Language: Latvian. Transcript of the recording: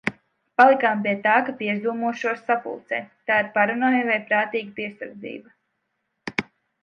Palikām pie tā, ka piezūmošos sapulcei. Tā ir paranoja vai prātīga piesardzība?